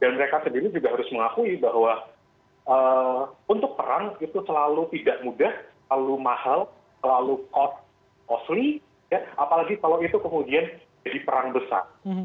dan mereka sendiri juga harus mengakui bahwa untuk perang itu selalu tidak mudah terlalu mahal terlalu mahal apalagi kalau itu kemudian jadi perang besar